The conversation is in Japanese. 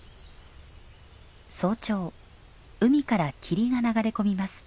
早朝海から霧が流れ込みます。